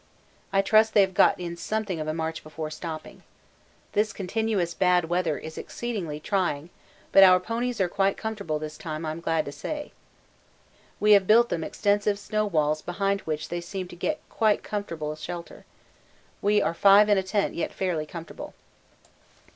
I trust they have got in something of a march before stopping. This continuous bad weather is exceedingly trying, but our own ponies are quite comfortable this time, I'm glad to say. We have built them extensive snow walls behind which they seem to get quite comfortable shelter. We are five in a tent yet fairly comfortable.